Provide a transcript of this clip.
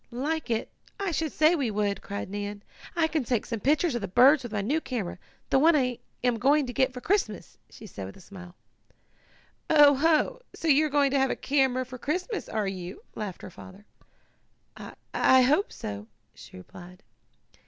"Like it! I should say we would!" cried Nan. "I can take some pictures of the birds with my new camera the one I am going to get for Christmas," she added with a smile. "Oh ho! So you are going to have a camera for Christmas; are you?" laughed her father. "I I hope so," she replied.